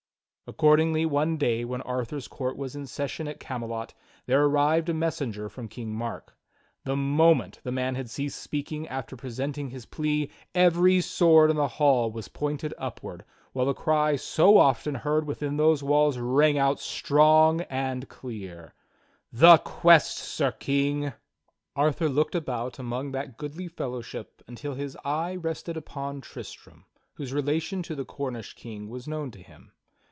Accordingly, one day when Arthur's court was in session at Camelot, there arrived a messenger from King Mark. The moment the man had ceased speaking after presenting his plea, every sword in the old hall was pointed upward, while the cry so often heard within those walls rang out strong and clear: 80 THE STORY OF KING ARTHUR "The quest, Sir King!" Arthur looked about among that goodly fellowship until his eye rested upon Tristram, whose relation to the Cornish king was known to him.